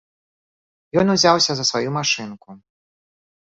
Ён узяўся за сваю машынку.